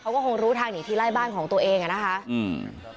เขาก็คงรู้ทางหนีทีไล่บ้านของตัวเองอ่ะนะคะอืม